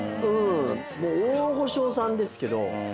大御所さんですけど